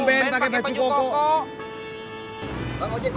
bang ojek bang